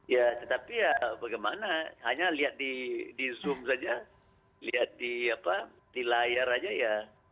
ya tetapi ya bagaimana hanya lihat di zoom saja lihat di layar aja ya